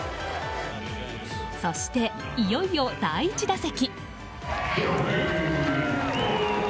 そして、いよいよ第１打席。